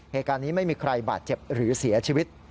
เหตุการณ์นี้ไม่มีใครบาดเจ็บหรือเสียชีวิต